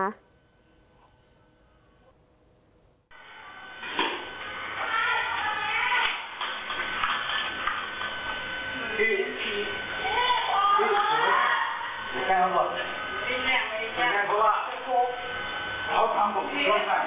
ไอ้แม่โอเค